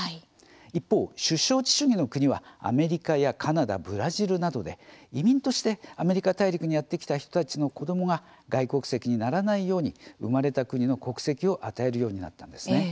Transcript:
一方、出生地主義の国はアメリカやカナダブラジルなどで移民としてアメリカ大陸にやって来た人たちの子どもが外国籍にならないように生まれた国の国籍を与えるようになったんですね。